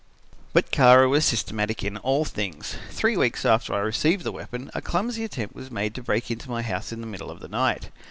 "But Kara was systematic in all things. Three weeks after I received the weapon, a clumsy attempt was made to break into my house in the middle of the night.